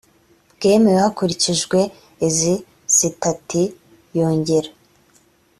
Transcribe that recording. bwemewe hakurikijwe izi sitati yongera